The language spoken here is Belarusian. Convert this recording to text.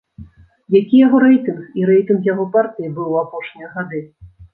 Які яго рэйтынг і рэйтынг яго партыі быў у апошнія гады?